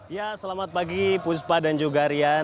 ya selamat pagi puspa dan juga rian